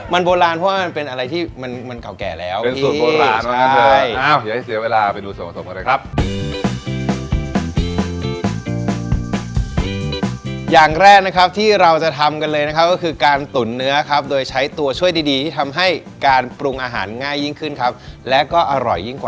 มันโบราณเพราะว่ามันเป็นอะไรที่มันเก่าแก่แล้ว